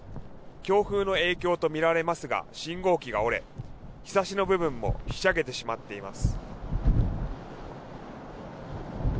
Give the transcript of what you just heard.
強風の影響とみられますが信号機が折れ、ひさしの部分もひしゃげてしまっています。